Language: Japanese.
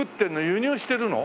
輸入してるの？